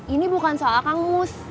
ini bukan soal kang mus